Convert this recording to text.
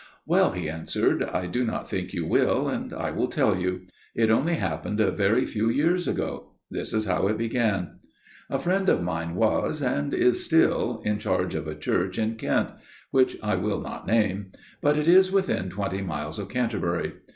"Well," he answered, "I do not think you will, and I will tell you. It only happened a very few years ago. This was how it began: "A friend of mine was, and is still, in charge of a church in Kent, which I will not name; but it is within twenty miles of Canterbury.